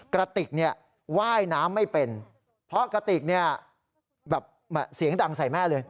กระติกว่ายน้ำไม่เป็นเพราะกระติกเสียงดังใส่แม่เลย